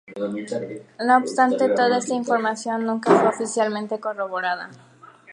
No obstante, toda esta información nunca fue oficialmente corroborada.